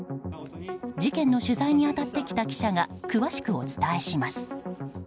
事件の取材に当たってきた記者が詳しくお伝えします。